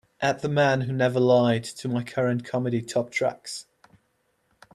add the man who never lied to my current comedy top tracks